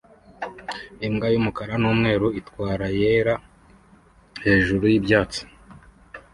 Imbwa y'umukara n'umweru itwara yera hejuru y'ibyatsi